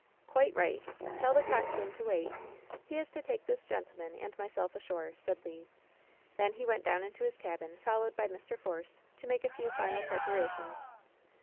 "Quite right! Tell the coxswain to wait He is to take this gentleman and myself ashore," said Le. Then he went down into his cabin, followed by Mr. Force, to make a few final preparations.